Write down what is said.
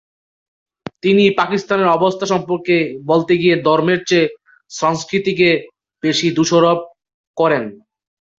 তিনি পাকিস্তানের অবস্থা সম্পর্কে বলতে গিয়ে ধর্মের চেয়ে সংস্কৃতিকে বেশি দোষারোপ করেন।